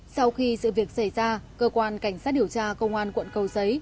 sau khi sự việc xảy ra cơ quan cảnh sát điều tra công an quận cầu giấy